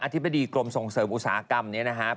ธิบดีกรมส่งเสริมอุตสาหกรรมนี้นะครับ